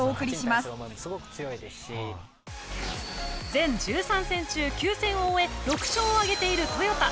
全１３戦中９戦を終え６勝を挙げているトヨタ。